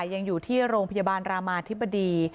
ยังอยู่ที่โรงพยาบาลรามาธิบดี